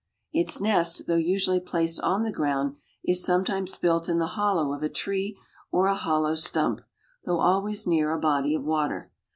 Its nest, though usually placed on the ground, is sometimes built in the hollow of a tree or a hollow stump, though always near a body of water.